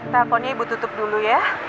teleponnya ibu tutup dulu ya